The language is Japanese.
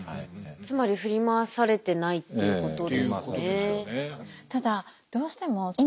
つまり振り回されてないっていうことですよね。